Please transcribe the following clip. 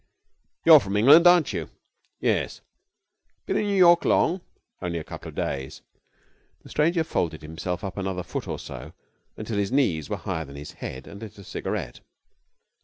'You're from England, aren't you?' 'Yes.' 'Been in New York long?' 'Only a couple of days.' The stranger folded himself up another foot or so until his knees were higher than his head, and lit a cigarette.